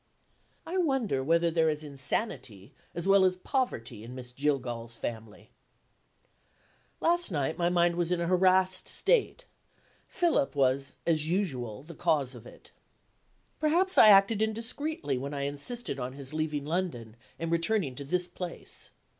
I wonder whether there is insanity (as well as poverty) in Miss Jillgall's family? Last night my mind was in a harassed state. Philip was, as usual, the cause of it. Perhaps I acted indiscreetly when I insisted on his leaving London, and returning to this place.